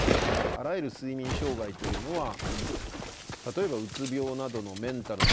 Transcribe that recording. あらゆる睡眠障害というのは例えばうつ病などのメンタルの問題。